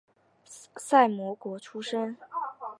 萨摩国出身。